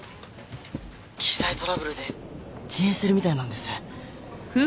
機材トラブルで遅延してるみたいなんです。